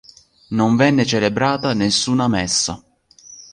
Non venne celebrata nessuna messa.